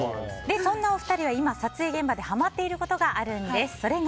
そんなお二人が、撮影現場ではまっていることがあるんです。